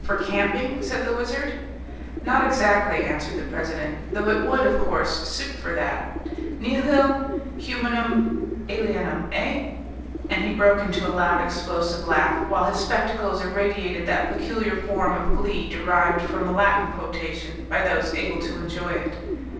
"For camping?" said the Wizard. "Not exactly," answered the president, "though it would, of course, suit for that. Nihil humunum alienum, eh?" and he broke into a loud, explosive laugh, while his spectacles irradiated that peculiar form of glee derived from a Latin quotation by those able to enjoy it.